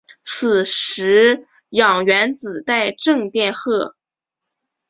此时氧原子带正电荷。